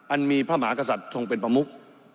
มีพระมหากษัตริย์ทรงเป็นประมุก